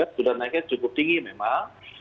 sudah naiknya cukup tinggi memang